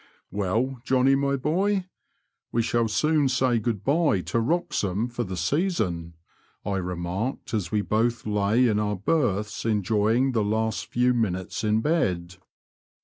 '* Well, Johnny, my boy ; we shall soon say good bye to Wroxham for this season/* I remarked, as we both lay in our berths enjoying the last few minutes in bed.